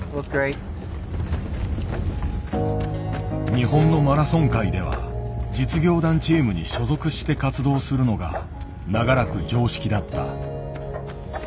日本のマラソン界では実業団チームに所属して活動するのが長らく常識だった。